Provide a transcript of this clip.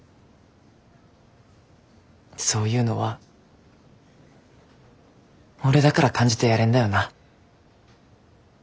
そういうのは俺だから感じてやれんだよな。